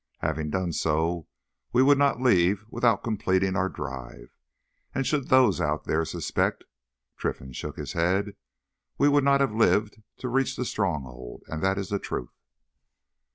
Having done so, we would not leave without completing our drive. And, should those out there suspect"—Trinfan shook his head—"we would not have lived to reach the Stronghold, and that is the truth."